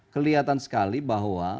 kelihatan sekali bahwa